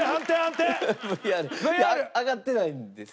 いや上がってないんです。